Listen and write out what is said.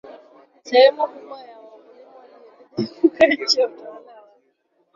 sehemu kubwa ya wakulima waliendelea kukaa chini ya utawala wa